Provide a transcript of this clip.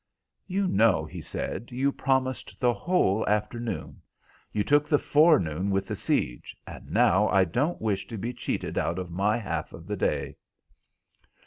"You know," he said, "you promised the whole afternoon. You took the forenoon with The Siege, and now I don't wish to be cheated out of my half of the day."